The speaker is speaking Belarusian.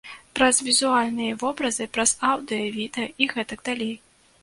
Праз візуальныя вобразы, праз аўдыё, відэа і гэтак далей.